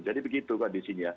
jadi begitu kondisinya